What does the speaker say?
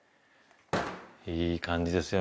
いい感じですよ。